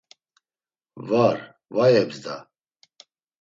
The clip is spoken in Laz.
Var, va yebzda.